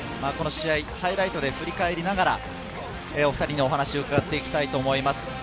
この試合、ハイライトで振り返りながら、お２人にお話を伺っていきたいと思います。